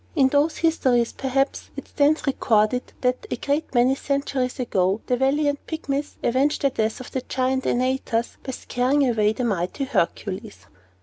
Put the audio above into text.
In those histories, perhaps, it stands recorded, that, a great many centuries ago, the valiant Pygmies avenged the death of the Giant Antaeus by scaring away the mighty Hercules.